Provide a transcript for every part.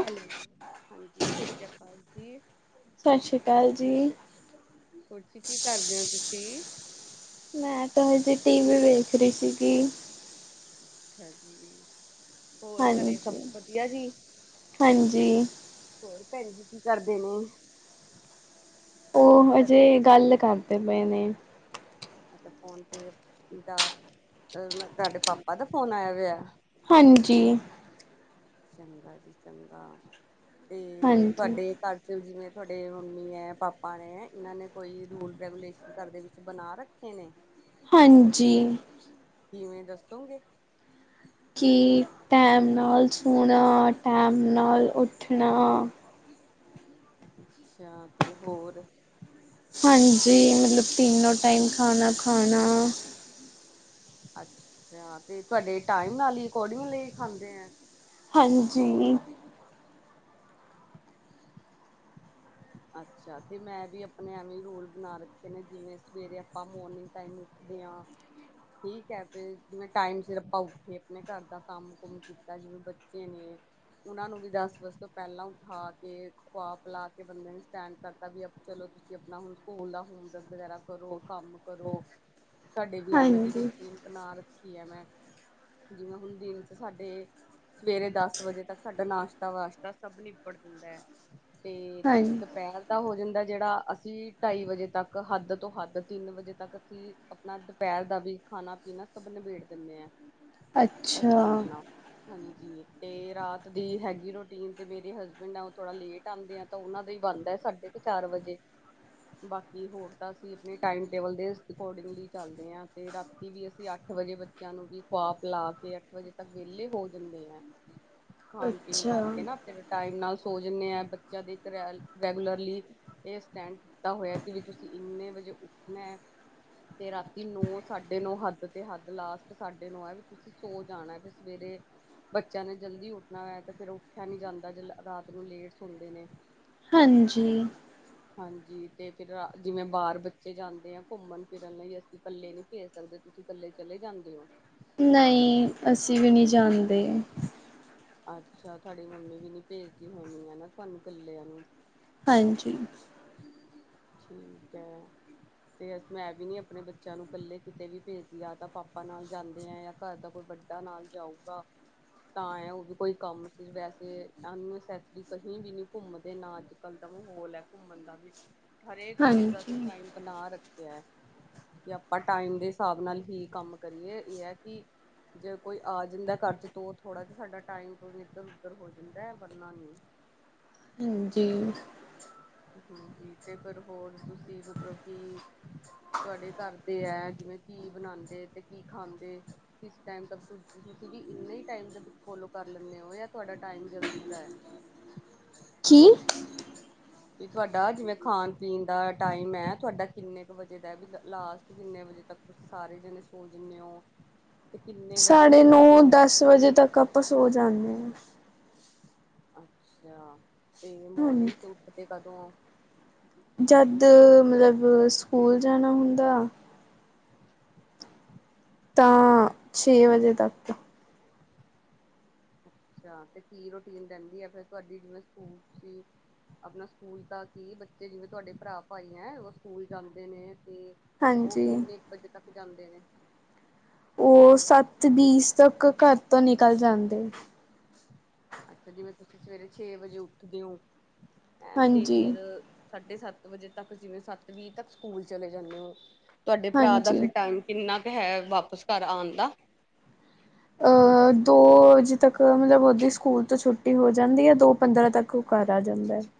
Hello, ਹਾਂਜੀ ਸ਼ਸੀਆਕਾਲ ਜੀ। ਸਾਸ਼ੀ ਕਾਲ ਜੀ। ਹੋਰ ਜੀ ਕੀ ਕਰਦੇ ਓ ਤੁਸੀਂ? ਮੈਂ ਤੇ ਹਜੇ ਟੀ ਵੀ ਵੇਖ ਰੀ ਸੀਗੀ। ਅੱਛਾ ਜੀ। ਹੋਰ ਘਰੇ ਸਬ ਹਾਂਜੀ ਵਦੀਆ ਜੀ, ਹਾਂਜੀ ਹੋਰ ਭੈਣ ਜੀ ਕੀ ਕਰਦੇ ਨੇ? ਓ ਘਰੇ ਹਜੇ ਗੱਲ ਕਰਦੇ ਪਏ ਨੇ। ਅੱਛਾ ਫੋਨ ਤੇ ਦਾ ਤੁਆਡੇ ਪਾਪਾ ਦਾ ਫੋਨ ਆਇਆ ਹੋਆ? ਹਾਂਜੀ। ਚੰਗਾ ਜੀ ਚੰਗਾ ਤੇ ਹਾਂਜੀ ਤੁਆਡੇ ਘਰ ਚ ਜਿਵੇਂ ਤੁਹਾਡੇ ਮੰਮੀ ਐ, ਪਾਪਾ ਨੇ ਇਹਨਾਂ ਨੇ ਕੋਈ ਰੂਲ ਰੈਗੂਲੇਸ਼ਨ ਘਰ ਦੇ ਵਿੱਚ ਬਣਾ ਰੱਖੇ ਨੇ। ਹਾਂਜੀ। ਕਿਵੇਂ ਦੱਸੋਂਗੇ? ਕਿ ਟੈਮ ਨਾਲ ਸੋਣਾ ਟੈਮ ਨਾਲ ਉੱਠਣਾ ਅੱਛਾ ਤੇ ਹੋਰ ਹਾਂਜੀ, ਮਤਲਬ ਤਿੰਨੋ ਟਾਈਮ ਖਾਨਾ ਖਾਣਾ। ਅੱਛਾ ਤੇ ਤੁਹਾਡੇ ਟਾਈਮ ਨਾਲ ਈ ਕੋਰਡਿੰਗ ਲਈ ਖਾਂਦੇ ਐ। ਹਾਂਜੀ। ਅੱਛਾ, ਤੇ ਮੈਂ ਵੀ ਅਪਣੇ ਐਵੇਂ ਰੂਲ ਬਣਾ ਰੱਖੇ ਨੇ ਜਿਵੇਂ ਸਵੇਰੇ ਅਪਾਂ ਮੋਰਨਿਂਗ ਟਾਈਮ ਰਖਦੇ ਆ। ਠੀਕ ਐ ਫੇਰ ਜਿਵੇਂ ਟਾਈਮ ਸਿਰ ਅਪਾਂ ਉੱਠੇ ਅਪਣੇ ਘਰ ਦਾ ਕੰਮ- ਕੁੰਮ ਕੀਤਾ ਜਿਵੇਂ ਬੱਚੇ ਨੇ ਉਹਨਾਂ ਨੂੰ ਵੀ ਦਸ ਵਜੇ ਤੋਂ ਪੈਲਾਂ ਉਠਾ ਕੇ, ਖੂਆ-ਪਿਲਾ ਕੇ ਬੰਦੇ ਨੂੰ ਸਟੈਂਡ ਕਰਤਾ ਵੀ ਅਬ ਚਲੋ ਤੁਸੀਂ ਅਪਣਾ ਹੁਣ ਸਕੂਲ ਦਾ ਹੋਮਵਰਕ ਵਗੈਰਾ ਕਰੋ, ਕੰਮ ਕਰੋ। ਸਾਡੇ ਵੀ ਐਵੇਂ ਦੀ ਹਾਂਜੀ ਰੂਟੀਨ ਬਣਾ ਰੱਖੀ ਐ ਮੈਂ। ਜਿਵੇਂ ਹੁਣ ਦਿਨ ਚ ਸਾਡੇ ਸਵੇਰੇ ਦਸ ਵਜੇ ਤੱਕ ਸਾਡਾ ਨਾਸ਼ਤਾ- ਵਾਸ਼ਤਾ ਸਭ ਨਿਪਟ ਜਾਂਦਾ ਤੇ ਹਾਂਜੀ ਦੁਪਹਿਰ ਦਾ ਹੋ ਜਾਂ ਦਾ ਜਿਹੜਾ ਅਸੀਂ ਢਾਈ ਵਜੇ ਤੱਕ ਹੱਦ ਤੋਂ ਹੱਦ ਤਿੰਨ ਵਜੇ ਤੱਕ ਅਸੀਂ ਅਪਣਾ ਦੁਪਹਿਰ ਦਾ ਵੀ ਖਾਣਾ- ਪੀਣਾ ਸਬ ਨਬੇੜ ਦਿੰਨੇ ਆ। ਅੱਛਾ। ਜੀ, ਤੇ ਰਾਤ ਦੀ ਹੈਗੀ ਰੋਟੀਨ ਤੇ ਮੇਰੇ ਹਸਬੈਂਡ ਐ ਉਹ ਥੋੜਾ ਲੇਟ ਆਂਦੇ ਐ ਤਾਂ ਉਹਨਾਂ ਦਾ ਈ ਬਣਦਾ ਸਾਢੇ ਤੇ ਚਾਰ ਵਜੇ ਬਾਕੀ ਹੋਰ ਤਾਂ ਅਸੀਂ ਅਪਣੇ ਟਾਈਮ ਟੇਬਲ ਦੇ ਸ ਅਕੋਰਡਿੰਗਲੀ ਚਲਦੇ ਆ ਤੇ ਰਾਤੀ ਵੀ ਅਸੀਂ ਅੱਠ ਅੱਠ ਵਜੇ ਬੱਚਿਆਂ ਨੂੰ ਵੀ ਖੁਆ- ਪਿਲਾ ਕੇ ਅੱਠ ਵਜੇ ਤੱਕ ਵਿਹਲੇ ਹੋ ਜਂਦੇ ਐ। ਖਾਣ- ਪੀਣ ਅੱਛਾ ਕਰਕੇ ਨਾ ਫੇਰ ਟਾਈਮ ਨਾਲ ਸੋ ਜਾਂਨੇ ਆ। ਬਚ ਬੱਚੇਆ ਦੀ ਰੇਲ ਰੈਗੂਲਰਲੀ ਇਹ ਸਟੈਂਡ ਕੀਤਾ ਹੋਇਆ ਕਿ ਵੀ ਤੁਸੀਂ ਇੰਨੇ ਵਜੇ ਉੱਠਣਾ ਐ ਤੇ ਰਾਤੀ ਨੌ ਸਾਡੇ ਨੌ ਹੱਦ ਤੇ ਹੱਦ ਲਾਸਟ ਸਾਡੇ ਨੌ ਐ ਵੀ ਤੁਸੀਂ ਸੋ ਜਾਣਾ ਐ ਵੀ ਸਵੇਰੇ ਬੱਚਿਆਂ ਨੇ ਜਲਦੀ ਉੱਠਣਾ ਐ ਤੇ ਫੇਰ ਉੱਠਆ ਨੀ ਜਾਂਦਾ ਜ ਰਾਤ ਨੂੰ ਲੇਟ ਸੋਂਦੇ ਨੇ। ਹਾਂਜੀ। ਹਾਂਜੀ। ਤੇ ਫੇਰ ਜਿਵੇਂ ਬਾਹਰ ਬੱਚੇ ਜਾਂਦੇ ਆ। ਘੁੰਮਣ, ਫਿਰਨ ਲਈ ਅਸੀਂ ਕਲੇ ਨਹੀਂ ਭੇਜ ਸਕਦੇ। ਕਲਲੇ ਚਲੇ ਜਾਂਦੇ ਹੋ। ਨਹੀਂ- ਅਸੀਂ ਵੀ ਨਹੀਂ ਜਾਂਦੇ। ਅੱਛਾ, ਤੁਹਾਡੀ ਮੰਮੀ ਵੀ ਨੀ ਭੇਜਦੀ ਹੋਣੀ। ਹੈਨਾ। ਤੁਹਾਨੂੰ ਕੱਲਿਆਂ ਨੂੰ। ਹਾਂਜੀ। ਠੀਕ ਹੈ। ਤੇ ਮੈਂ ਵੀ ਨਹੀਂ -ਆਪਣੇ ਬੱਚਿਆਂ ਨੂੰ ਕੱਲੇ ਕਿਤੇ ਵੀ ਭੇਜਦੀ। ਯਾ ਤਾਂ ਪਾਪਾ ਨਾਲ ਜਾਂਦੇ ਐ, ਜਾਂ ਘਰ ਦਾ ਕੋਈ। ਵੱਡਾ ਨਾਲ ਜਾਊਗਾ। ਤਾਂ ਹੈ। ਉਹ ਵੀ ਕੋਈ ਕੰਮ ਸੀ, ਵੈਸੇ ਅੰਨੇਸਸਰੀ ਕਹੀ ਵੀ ਨੀ ਘੁੰਮਦੇ। ਨਾ ਅੱਜ ਕੱਲ ਦਾ, ਮਾਹੌਲ ਹੈ ਘੁੰਮਣ ਦਾ ਵੀ। ਹਰੇਕ ਚੀਜ਼ ਦਾ ਹਾਂਜੀ। ਅਸੀਂ ਟਾਈਮ ਬਣਾ ਰੱਖਿਆ ਹੈ। ਕਿ ਆਪਾਂ, ਟਾਈਮ ਦੇ ਹਿਸਾਬ- ਨਾਲ ਹੀ ਕੰਮ ਕਰੀਏ ਇਹ ਹੈ ਕਿ, ਜੇ ਕੋਈ ਆ ਜਾਂਦਾ। ਘਰ ਚ ਤੋ ਥੋੜਾ ਜਾਂ, ਸਾਡਾ ਟਾਈਮ ਇੱਧਰ- ਉੱਧਰ ਹੋ, ਜਾਂਦਾ ਵਰਨਾ ਨਹੀਂ। [unintelligible] ਹਾਂਜੀ। ਹਾਂਜੀ। ਤੇ ਫਿਰ ਹੋਰ, ਤੁਸੀਂ ਮਤਲਬ ਕਿ। ਤੁਹਾਡੇ ਘਰ ਤੇ ਹੈ, ਜਿਵੇਂ ਕੀ ਬਣਾਦੇ ਤੇ, ਕੀ ਖਾਂਦੇ, ਕਿਸ ਟਾਈਮ ਤਕ। ਕਿ ਇੰਨੇ ਹੀ ਟਾਈਮ ਦੇ ਵਿੱਚ, ਫੋਲੋ ਕਰ ਲੈਂਨੇ ਹੋ, ਜਾਂ ਤੁਹਾਡਾ ਟਾਈਮ ਜਲਦੀ ਦਾ ਐ। ਕੀ? ਵੀ ਤੁਹਾਡਾ, ਜਿਵੇਂ ਖਾਣ- ਪੀਣ ਦਾ ਟਾਈਮ ਹੈ। ਤੁਹਾਡਾ ਕਿੰਨੇ ਕੁ ਵਜੇ ਦਾ ਐ। ਲਾਸਟ ਕਿਨੇ ਵਜੇ। ਜੇ ਤੱਕ ਤੁਸੀਂ ਸਾਰੇ, ਜਣੇ ਸੋ ਜਾਨੇ ਹੋ। ਤੇ ਕਿੰਨੇ ਵਜੇ ਸਾਢੇ ਉੱਠਦੇ ਨੌ- ਹੋ ਦਸ ਵਜੇ ਤੱਕ, ਆਪਾਂ ਸੋ ਜਾਂਨੇ ਹਾਂ। ਅੱਛਾ ਤੇ ਹਾਂ ਮੋਰਨਿੰਗ ਚ ਉੱਠਦੇ ਕਦੋਂ ਓ? ਜਦ ਮਤਲਬ ਸਕੂਲ ਜਾਨਾ ਹੁੰਦਾ ਤਾਂ ਛੇ ਵਜੇ ਤੱਕ ਅੱਛਾ ਤੇ ਕੀ ਰੋਟੀਨ ਰਹਿੰਦੀ ਆ ਫਿਰ ਤੁਹਾਡੀ? ਜਿਵੇਂ ਸਕੂਲ ਤੂਸੀ ਅਪਨਾ ਸਕੂਲ ਤਾਂ ਕੀ ਬੱਚੇ ਜਿਵੇਂ ਤੁਹਾਡੇ ਭਰਾ ਭਾਈ ਐ ਉਹ ਸਕੂਲ ਜਾਂਦੇ ਨੇ ਤੇ ਉਹ ਹਾਂਜੀ। ਕਿੰਨੇ ਕ ਵਜੇ ਤੱਕ ਜਾਂਦੇ ਨੇ? ਓਹ ਸੱਤ ਬੀਸ ਤੱਕ ਘਰ ਤੋਂ ਨਿਕਲ ਜਾਂਦੇ ਅੱਛਾ ਜਿਵੇਂ ਤੁਸੀਂ ਸਵੇਰੇ ਛੇ ਵਜੇ ਉੱਠਦੇ ਹੋ ਹੈਂ ਤੇ ਹਾਂਜੀ ਫੇਰ ਸਾਢੇ ਸੱਤ ਵਜੇ ਤੱਕ ਜਿਵੇਂ ਸੱਤ ਵੀਹ ਤੱਕ ਸਕੂਲ ਚਲੇ ਜਾਂਨੇ ਐ। ਤੁਹਾਡੇ ਭਰਾ ਦਾ ਹਾਂਜੀ। ਫਿਰ ਟਾਈਮ ਕਿੰਨਾ ਕ ਹੈ ਵਾਪਿਸ ਘਰ ਆਨ ਦਾ? ਅ ਦੋ ਵਜੇ ਤੱਕ ਮਤਲਬ ਉਹਦੀ ਸਕੂਲ ਤੋਂ ਛੁੱਟੀ ਹੋ ਜਾਂਦੀ ਐ, ਦੋ ਪੰਦਰਾਂ ਤੱਕ ਉਹ ਘਰ ਆ ਜਾਂਦਾ ਐ। [inaudible]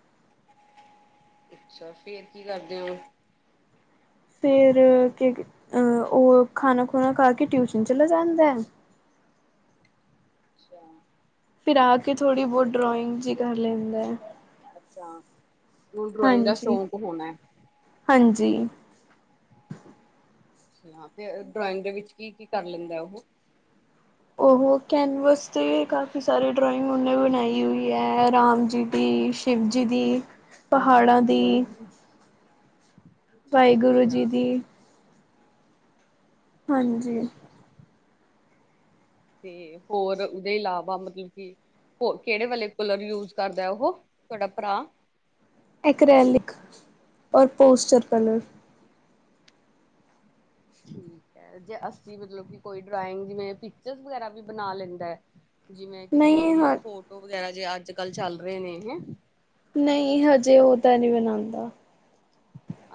ਅੱਛਾ ਫੇਰ ਕੀ ਕਰਦੇ ਓ? ਫੇਰ [unintelligible] ਅ ਉਹ ਖਾਨਾ ਖੁਨਾ ਖਾ ਕੇ ਟਿਊਸ਼ਨ ਚਲਾ ਜਾਂਦਾ ਐ। [inaudible] ਅੱਛਾ। ਫਿਰ ਆ ਕੇ ਥੋੜ੍ਹੀ ਬੋਤ ਡਰੋਇੰਗ ਜੀ ਕਰ ਲੈਂਦਾ ਐ। ਅੱਛਾ ਓਹਨੂੰ ਡਰਾੋਇੰਗ ਦਾ ਸ਼ੌਕ ਹੋਨਾ ਐ। ਹਾਂਜੀ। ਅੱਛਾ ਤੇ ਡਰਾਇੰਗ ਦੇ ਵਿੱਚ ਕੀ ਕੀ ਕਰ ਲੈਂਦਾ ਐ ਓਹੋ? ਉਹ ਕੈਨਵਸ ਤੇ ਕਾਫੀ ਸਾਰੇ ਡਰਾਇੰਗ ਉਹਨੇ ਬਨਾਈ ਹੋਈ ਐ ਰਾਮ ਜੀ ਦੀ ਸ਼ਿਵਜੀ ਦੀ, ਪਹਾੜਾਂ ਦੀ [inaudible] ਵਾਹਿਗੁਰੂ ਜੀ ਅੱਛਾ ਦੀ ਹਾਂਜੀ ਅੱਛਾ-ਅੱਛਾ। ਤੇ ਹੋਰ ਉਹਦੇ ਇਲਾਵਾ ਮਤਲਬ ਕਿ ਹੋ, ਕਿਹੜੇ ਵਾਲੇ ਕਲਰ ਯੂਜ ਕਰਦਾ? ਉਹ ਤੁਹਾਡਾ ਭਰਾ। ਇਕ੍ਰਲਿਕ ਔਰ ਪੋਸਟਰ ਕਲਰ। ਠੀਕ। ਜੇ ਅਸੀਂ ਮਤਲਬ ਕਿ, ਕੋਈ ਡਰਾਇੰਗ, ਜਿਵੇਂ ਪਿਕਚਰਜ਼, ਵਗੈਰਾ ਵੀ ਬਣਾ ਲੈਂਦਾ ਹੈ। ਜਿਵੇਂ ਕਿਸੇ ਨਹੀਂ ਦੀ ਹਾਂ ਫੋਟੋ- ਵਗੈਰਾ ਜੇ ਅੱਜ ਕੱਲ ਚੱਲ ਰਹੇ ਨੇ ਹੈ। ਨਹੀਂ- ਹਜੇ ਉਹ ਤਾਂ ਨਹੀਂ ਬਣਾਉਂਦਾ।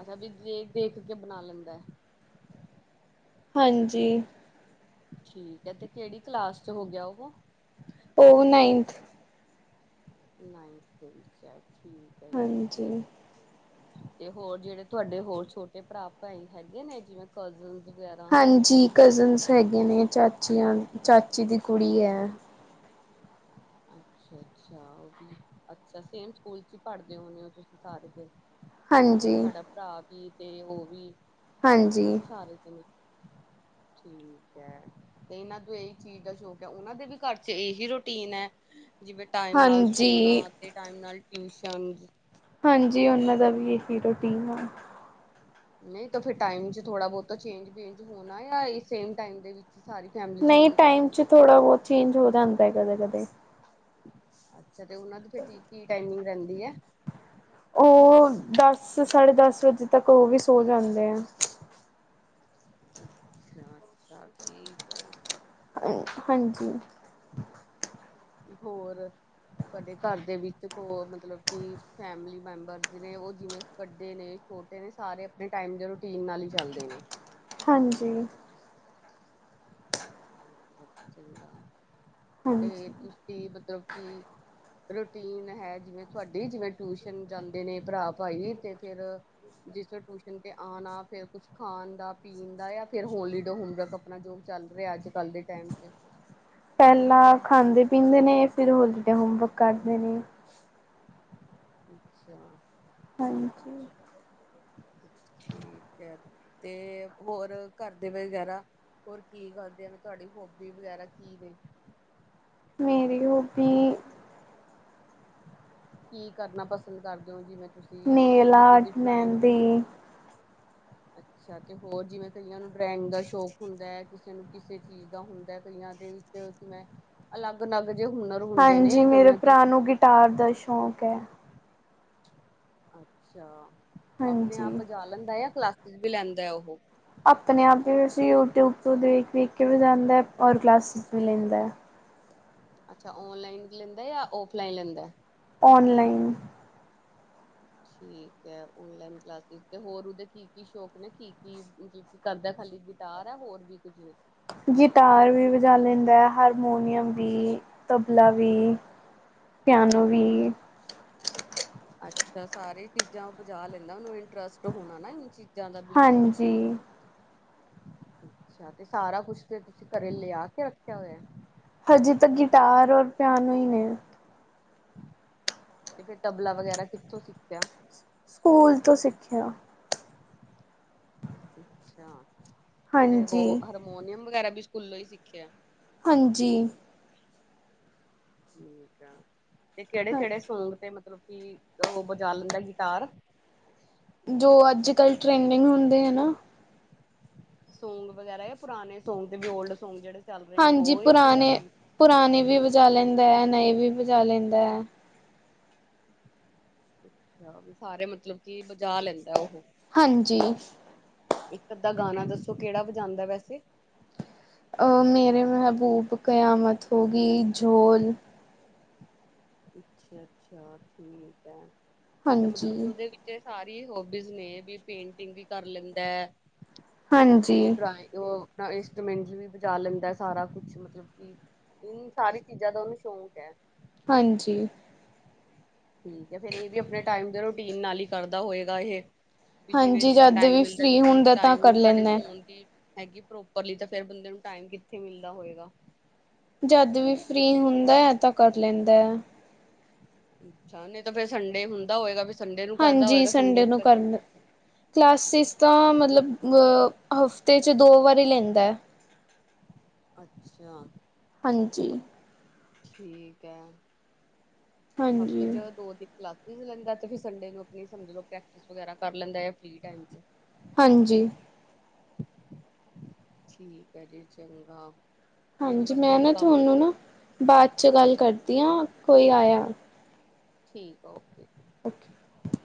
ਅੱਛਾ ਵੀ, ਦੇਖ-ਦੇਖ ਕੇ ਬਣਾ ਲੈਂਦਾ ਹੈ। ਹਾਂਜੀ। ਠੀਕ ਹੈ। ਤੇ ਕਿਹੜੀ ਕਲਾਸ ਚ ਹੋ ਗਿਆ ਉਹ? ਉਹ ਨਾਈਨਥ। ਨਾਈਨਥ ਚ ਠੀਕ ਹੈ ਜੀ, ਹਾਂਜੀ। ਠੀਕ ਹੈ। ਤੇ ਹੋਰ ਜਿਹੜੇ, ਤੁਹਾਡੇ ਹੋਰ ਛੋਟੇ ਭਰਾ, ਭਾਈ ਹੈਗੇ ਨੇ ਜਿਵੇਂ ਕਜ਼ਨ। ਹਾਂਜੀ। ਕਜ਼ਨਸ ਹੈਗੇ ਨੇ, ਚਾਚੀਆਂ- ਚਾਚੀ ਦੀ ਕੁੜੀ ਹੈ। ਅੱਛਾ, ਅੱਛਾ ਉਹ ਵੀ ਅੱਛਾ, ਸੇਮ ਸਕੂਲ ਚ ਹੀ ਪੜਦੇ ਹੋਨੇ ਹੋ ਤੁਸੀਂ ਸਾਰੇ। ਫਿਰ ਤੇ ਹਾਂਜੀ। ਸਾਡਾ ਭਰਾ ਵੀ, ਤੇ ਉਹ ਵੀ ਹਾਂਜੀ, ਸਾਰੇ ਜਾਣੇ। [unintelligible] ਠੀਕ ਏ, ਤੇ ਇਹਨਾਂ ਨੂਂ ਇਹੀ ਚੀਜ਼ ਦਾ ਸ਼ੌਕ ਹੈ। ਉਹਨਾਂ ਦੇ ਵੀ ਘਰ ਚ ਏਹੀ ਰੂਟੀਨ ਹੈ? ਜਿਵੇਂ ਟਾਈਮ ਨਾਲ ਹਾਂਜੀ। ਸੋਨਾ, ਤੇ ਟਾਈਮ ਨਾਲ ਟਿਊਸ਼ਨਸ। ਹਾਂਜੀ, ਉਹਨਾਂ ਦਾ ਵੀ ਏਹੀ ਰੂਟੀਨ ਆ। ਨਈ ਤੇ ਫਿਰ ਟਾਈਮ ਚ ਥੋੜ੍ਹਾ ਬਹੁਤਾ ਚੇਂਜ ਵੇਂਜ ਹੋਣਾ ਯਾਂ ਏਹੀ ਸੇਮ ਟਾਈਮ ਦੇ ਸਾਰੀ ਫੈਮਿਲੀ ਨਈ ਸੌਂਦੀ ਟਾਈਮ ਕਰਦੀ ਹੈ ਚ ਥੋੜ੍ਹਾ ਬਹੁਤ ਚੇਂਜ ਹੋ ਜਾਂਦਾ ਹੈ ਕਦੇ-ਕਦੇ। ਅੱਛਾ, ਤੇ ਉਹਨਾਂ ਦੀ ਟੀ, ਕੀ ਟਾਈਮਿੰਗ ਰਹਿੰਦੀ ਹੈ? ਉਹ ਦਸ, ਸਾਢੇ ਦਸ ਵਜੇ ਤੱਕ, ਉਹ ਵੀ ਸੋ ਜਾਂਦੇ ਆ। ਅੱਛਾ-ਅੱਛਾ ਠੀਕ ਹੈ। ਹਾਂਜੀ। ਹੋਰ, ਸਾਡੇ ਘਰ ਦੇ ਵਿੱਚ- ਕੋਈ ਹੋਰ ਮਤਲਬ, ਕਿ ਫੈਮਲੀ ਮੈਂਬਰ, ਜਿਵੇਂ ਉਹ ਜਿਵੇਂ ਵਡੇ ਨੇ। ਛੋਟੇ ਨੇ ਸਾਰੇ, ਆਪਣੇ ਟਾਈਮ, ਦੇ ਰੂਟੀਨ ਨਾਲ ਹੀ ਚੱਲਦੇ ਨੇ। ਹਾਂਜੀ। ਤੇ ਹਾਂਜੀ। ਤੁਸੀ ਕੀ, ਮਤਲਬ ਕੀ, ਰੂਟੀਨ ਹੈ- ਜਿਵੇਂ ਤੁਹਾਡੀ ਜਿਵੇਂ, ਟਿਊਸ਼ਨ ਜਾਂਦੇ ਨੇ ਭਰਾ ਭਾਈ ਤੇ ਫਿਰ। ਜਿਸ ਟਿਊਸ਼ਨ ਤੇ ਆਣਾ। ਫਿਰ ਕੁਛ ਖਾਣ ਦਾ, ਪੀਣ ਦਾ, ਫਿਰ ਹੋਲੀਡੇ ਹੋਮਵਰਕ ਆਪਣਾ ਜੋ ਚਲ ਚੱਲ ਰਿਹਾ। ਅੱਜ ਕੱਲ ਦੇ ਟਾਈਮ ਚ। ਪਹਿਲਾਂ ਖਾਂਦੇ ਪੀਂਦੇ ਨੇ, ਫਿਰ ਹੋਲੀਡੇ ਹੋਮਵਰਕ ਕਰਦੇ ਨੇ। ਅੱਛਾ। ਹਾਂਜੀ। ਠੀਕ ਹੈ। ਤੇ ਹੋਰ ਘਰ ਦੇ ਵਗੈਰਾ, ਹੋਰ ਕੀ ਕਰਦੇ ਆ। ਤੁਹਾਡੀ ਹੋਬੀ ਵਗੈਰਾ ਕੀ ਨੇ। ਮੇਰੀ ਹੋਬੀ, ਕੀ ਕਰਨਾ ਪਸੰਦ ਕਰਦੇ ਹੋ ਜਿਵੇਂ ਤੁਸੀਂ ਨੇਲ ਕਿਸੇ ਆਟ ਮਹਿੰਦੀ ਅੱਛਾ ਅੱਛਾ ਤੇ ਹੋਰ ਜਿਵੇਂ ਕਈਆਂ ਨੂੰ ਡਰਾਇੰਗ ਦਾ ਸ਼ੌਕ ਹੁੰਦਾ ਹੈ ਕਿਸੇ ਨੂੰ ਕਿਸੇ ਚੀਜ਼ ਦਾ ਹੁੰਦਾ ਹੈ ਕਈਆਂ ਦੇ ਉਸੇ ਅਲੱਗ-ਅਲੱਗ ਹਾਂਜੀ ਮੇਰੇ ਭਰਾ ਨੂੰ ਗਿਟਾਰ ਦਾ ਸ਼ੌਂਕ ਹੈ। ਅੱਛਾ ਆਪਣੇ ਆਪ ਹਾਂਜੀ। ਵਜਾ ਲੈਂਦਾ ਆ ਕਲਾਸਿਸ ਵੀ ਲੈਂਦਾ ਉਹ ਆਪਣੇ ਆਪ ਵੀ ਵਿੱਚ ਯੂਟਿਊਬ ਤੋਂ ਦੇਖ ਵੇਖ ਕੇ ਵੀ ਜਾਂਦਾ ਹੈ ਔਰ ਕਲਾਸਿਸ ਵੀ ਲੈਂਦਾ। ਅੱਛਾ ਔਨਲਾਈਨ ਲੈਂਦਾ ਜਾਂ ਔਫਲਾਈਨ ਲੈਂਦਾ। ਔਨਲਾਈਨ ਠੀਕ ਹੈ ਓਨਲਾਈਨ ਕਲਾਸਿਸ ਤੇ ਹੋਰ ਉਹਦੇ ਕੀ ਕੀ ਸ਼ੌਕ ਨੇ ਕੀ ਕੀ ਮਤਲਬ ਕੀ ਕਰਦਾ। ਖਾਲੀ ਗਿਟਾਰ ਹੈ ਹੋਰ ਵੀ ਕੁੱਝ ਗਿਟਾਰ ਵੀ ਵਜਾ ਲੈਂਦਾ ਹੈ ਹਾਰਮੋਨੀਅਮ ਵੀ ਤਬਲਾ ਵੀ ਪਿਆਨੋ ਵੀ ਅੱਛਾ ਸਾਰੇ ਚੀਜ਼ਾਂ ਬਜਾ ਲੈਂਦਾ ਉਹਨੂੰ ਇੰਟਰਸਟ ਹੋਣਾ ਨਾ ਚੀ ਹਾਂਜੀ ਅੱਛਾ ਤੇ ਸਾਰਾ ਕੁਛ ਫੇ ਤੁਸੀਂ ਘਰੇ ਲਿਆ ਕੇ ਰੱਖਿਆ ਹੋਇਆ। ਹਜੇ ਤਾਂ ਗਿਟਾਰ ਔਰ ਪਿਆਨੋ ਹੀ ਨੇ ਤੇ ਫਿਰ ਤਬਲਾ ਵਗੈਰਾ ਕਿੱਥੋਂ ਸਿੱਖਿਆ ਸਕੂਲ ਤੋਂ ਸਿੱਖਿਆ ਅੱਛਾ ਤੇ ਬਹੁ ਹਾਂਜੀ, ਹਰਮੋਨੀਅਮ ਵਗੈਰਾ ਵੀ ਸਕੂਲੋਂ ਹੀ ਸਿੱਖਿਆ ਹਾਂਜੀ। ਠੀਕ ਆ ਤੇ ਹਾਂ, ਕਿਹੜੇ-ਕਿਹੜੇ ਸੌਂਗ ਤੇ ਮਤ ਮਤਲਬ ਕਿ ਉਹ ਬਜਾ ਲੈਂਦਾ ਗਿਟਾਰ ਜੋ ਅੱਜ ਕੱਲ ਟ੍ਰੈਂਡਿੰਗ ਹੁੰਦੇ ਹੈ ਨਾ ਸੌਂਗ ਵਗੈਰਾ ਆ ਪੁਰਾਣੇ ਸੌਂਗ ਤੇ ਵੀ ਓਲਡ ਸੌਂਗ ਜਿਹੜੇ ਚੱਲ ਰਹੇ ਨੇ ਹਾਂਜੀ ਉਹ ਜਾਂ ਪੰਜਾਬੀ ਪੁਰਾਣੇ-ਪੁਰਾਣੇ ਵੀ ਵਜਾ ਲੈਂਦਾ ਐ ਨਵੇਂ ਵੀ ਵਜਾ ਲੈਂਦਾ ਐ। ਅੱਛਾ ਵੀ ਸਾਰੇ ਮਤਲਬ ਕਿ ਬਜਾ ਲੈਂਦਾ ਉਹ ਹਾਂਜੀ ਇੱਕ ਅੱਧਾ ਗਾਣਾ ਦੱਸੋ ਕਿਹੜਾ ਵਜਾਉਂਦਾ ਵੈਸੇ ਅਹ ਮੇਰੇ ਮਹਿਬੂਬ ਕਿਆਮਤ ਹੋ ਗਈ ਝੋਲ ਅੱਛਾ-ਅੱਛਾ ਠੀਕ ਹੈ ਤੇ ਮਤਲਬ ਕਿ ਹਾਂਜੀ ਉਹਦੇ ਵਿੱਚ ਸਾਰੇ ਹੋਬੀਜ਼ ਨੇ ਵੀ ਪੇਂਟਿੰਗ ਵੀ ਕਰ ਲੈਂਦਾ ਹਾਂਜੀ ਤੇ ਡਰਾਇਗ ਉਹ ਇੰਸਟੂਮੈਂਟ ਵੀ ਵਜਾ ਲੈਂਦਾ ਸਾਰਾ ਕੁਛ ਮਤਲਬ ਕਿ ਇਨ ਸਾਰੀ ਚੀਜ਼ਾਂ ਦਾ ਉਹਨੂੰ ਸ਼ੌਕ ਹੈ। ਹਾਂਜੀ ਠੀਕ ਹੈ ਫੇਰ ਇਹ ਵੀ ਆਪਣੇ ਟਾਈਮ ਦੇ ਰੂਟੀਨ ਨਾਲ ਹੀ ਕਰਦਾ ਹੋਏਗਾ ਇਹ ਵੀ ਹਾਂਜੀ ਜਿਵੇਂ-ਜਿਵੇਂ ਜਦ ਟਾਈਮ ਵੀ ਮਿਲਦਾ ਫ੍ਰਰੀ ਕਿਉਕਿ ਜ ਹੁੰਦਾ ਤਾਂ ਕਰ ਟਾਈਮਿੰਗ ਸਾਡੇ ਲੈਂਦਾ ਸੋਨ ਦੀ ਹੈਗੀ ਪ੍ਰੋਪਰਲੀ ਤਾਂ ਫਿਰ ਬੰਦੇ ਨੂੰ ਟਾਈਮ ਕਿੱਥੇ ਮਿਲਦਾ ਹੋਏਗਾ। ਜਦ ਵੀ ਫ੍ਰਰੀ ਹੁੰਦਾ ਤਾਂ ਕਰ ਲੈਂਦਾ। ਅੱਛਾ ਨਹੀਂ ਤਾਂ ਫੇਰ ਸੰਡੇ ਹੁੰਦਾ ਹੋਏਗਾ। ਸੰਡੇ ਨੂੰ ਕਰਦਾ ਹਾਂਜੀ ਹੋਏਗਾ ਸੰਡੇ ਨੂੰ ਤਾਂ ਚੱਲ ਕਰਨ ਕਲਾਸਿਸ ਤਾਂ ਮਤਲਬ ਅ ਹਫ਼ਤੇ 'ਚ ਦੋ ਵਾਰੀ ਲੈਂਦਾ। ਅੱਛਾ ਹਾਂਜੀ ਠੀਕ ਹੈ ਹਫ਼ਤੇ ਹਾਂਜੀ ਚ ਦੋ ਤੀਨ ਕਲਾ ਸੀਸ ਲੈਂਦਾ ਤੇ ਫੇਰ ਸੰਡੇ ਨੂੰ ਅਪਣੀ ਸਮਝ ਲੋਓ ਪ੍ਰੈਕਟਿਸ ਵਗੈਰਾ ਕਰ ਲੈਂਦਾ ਆ ਫਰੀ ਟੈਮ 'ਚ ਹਾਂਜੀ ਠੀਕ ਹੇ ਜੀ ਚੰਗਾ ਇਹ ਵੀ ਹਾਂਜੀ, ਵਧੀਆ ਮੈਂ ਹੀ ਨਾ ਕੰਮ ਹੈ ਤੁਹਾਨੂੰ ਨਾ, ਬਾਅਦ ਚ ਗੱਲ ਕਰਦੀ ਹਾਂ ਕੋਈ ਆਇਆ। ਠੀਕ ਆ ਓਕੇ। ਓਕੇ।